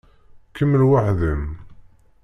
Kemmel weḥd-m.